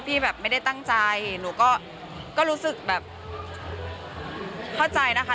ที่แบบไม่ได้ตั้งใจหนูก็รู้สึกแบบเข้าใจนะคะ